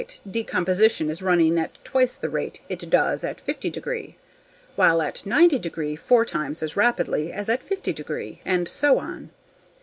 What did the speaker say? So, at 70 degree F decomposition is running at twice the rate it does at 50 degree, while at 90 degree four times as rapidly as at 50 degree and so on.